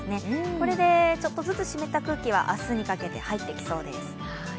これで、ちょっとずつ湿った空気が明日にかけて入ってきそうです。